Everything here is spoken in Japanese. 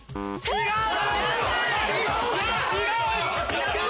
違う！